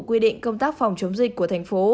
quy định công tác phòng chống dịch của thành phố